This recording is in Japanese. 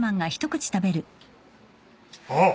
あっ。